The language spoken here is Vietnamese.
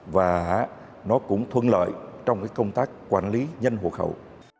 và nó cũng thuận lợi trong cái công tác quản lý nhân hộ khẩu